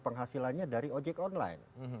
penghasilannya dari ojek online